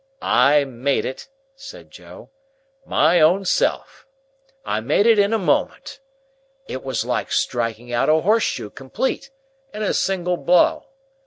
"I made it," said Joe, "my own self. I made it in a moment. It was like striking out a horseshoe complete, in a single blow.